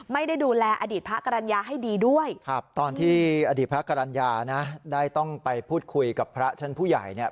ไม่ได้ดูแลอดีตพระกรรณญาให้ดีด้วยครับตอนที่อดีตพระกรรณญานะได้ต้องไปพูดคุยกับพระชั้นผู้ใหญ่เนี่ย